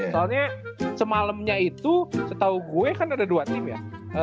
soalnya semalamnya itu setahu gue kan ada dua tim ya